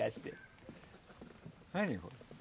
何これ？